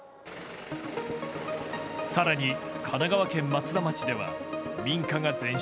更に、神奈川県松田町では民家が全焼。